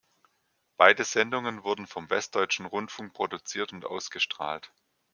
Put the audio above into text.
Beide Sendungen wurden vom Westdeutschen Rundfunk produziert und ausgestrahlt.